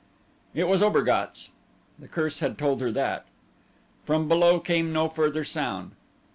It was Obergatz; the curse had told her that. From below came no further sound.